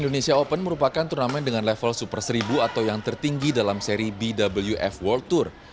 indonesia open merupakan turnamen dengan level super seribu atau yang tertinggi dalam seri bwf world tour